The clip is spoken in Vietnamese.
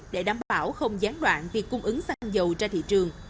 để đảm bảo không gián đoạn việc cung ứng xăng dầu ra thị trường